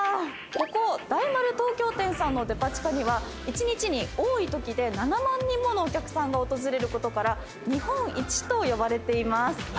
ここ大丸東京店さんのデパ地下には１日に多いときで７万人ものお客さんが訪れることから日本一と呼ばれています。